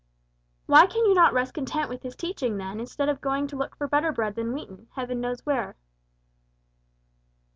"Why can you not rest content with his teaching, then, instead of going to look for better bread than wheaten, Heaven knows where?"